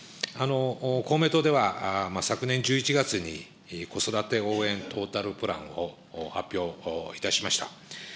公明党では昨年１１月に子育て応援トータルプランを発表いたしました。